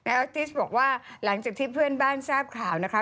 ออทิสบอกว่าหลังจากที่เพื่อนบ้านทราบข่าวนะคะ